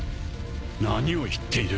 何を言っている？